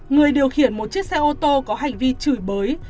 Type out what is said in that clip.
người điều khiển một chiếc xe ô tô có hành vi chửi bới